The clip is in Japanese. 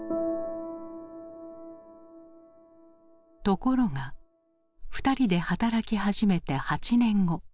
ところが２人で働き始めて８年後。